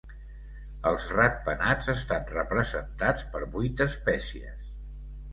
Els ratpenats estan representats per vuit espècies.